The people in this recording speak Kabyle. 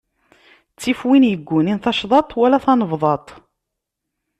Ttif win iggunin tacḍaḍt, wala tanebḍaḍt.